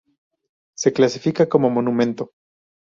Se clasifica como monumento.